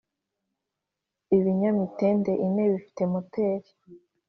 Ibinyamitende ine bifite moteri